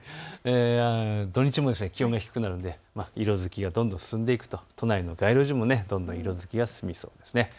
土日も気温が低くなるので色づきがどんどん進んでいくと都内の街路樹もどんどん色づきそうです。